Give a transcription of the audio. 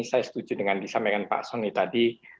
saya setuju dengan disampaikan pak soni tadi